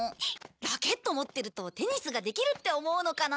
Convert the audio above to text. ラケット持ってるとテニスができるって思うのかな。